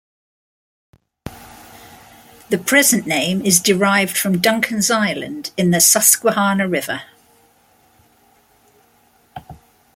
The present name is derived from Duncan's Island in the Susquehanna River.